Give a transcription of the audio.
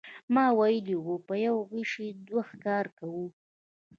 ما ویلي و په یوه غیشي دوه ښکاره کوو.